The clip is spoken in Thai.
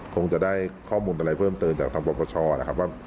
คงจะได้ข้อมูลอะไรเพิ่มเติมจากทางปรปชนะครับว่า